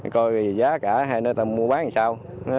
coi giá cả hai nơi ta mua bán làm sao